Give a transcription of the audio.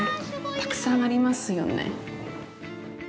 たくさんありますよね。